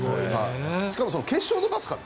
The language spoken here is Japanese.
しかも決勝の場ですから。